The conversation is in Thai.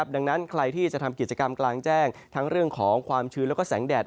ดังนั้นใครที่จะทำกิจกรรมกลางแจ้งทั้งเรื่องของความชื้นแล้วก็แสงแดด